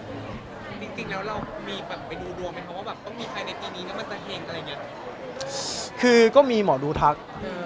ขึ้นคือเรามีหมอดูทัก